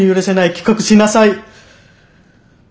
帰国しなさい。